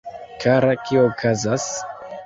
Kara, kio okazas?